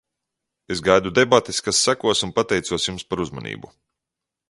Es gaidu debates, kas sekos, un pateicos jums par uzmanību.